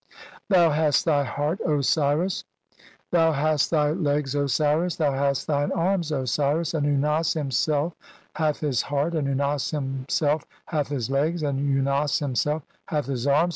(L. 476) "Thou hast thy heart, Osiris, thou hast thy "legs, Osiris, thou hast thine arms, Osiris ; and Unas "himself hath his heart, and Unas himself hath his legs, "and Unas himself hath his arms.